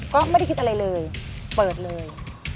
ก็ไม่ได้คิดอะไรเลยเปิดเลย